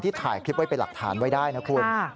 ถ่ายคลิปไว้เป็นหลักฐานไว้ได้นะคุณ